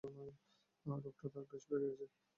রোগটা তার বেশ পেকেও উঠেছে।